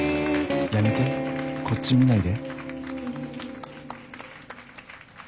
やめてこっち見ないで